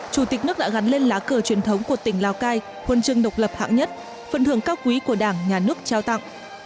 chủ tịch nước đã gắn lên lá cờ truyền thống của tỉnh lào cai huân chương độc lập hạng nhất phần thưởng cao quý của đảng nhà nước trao tặng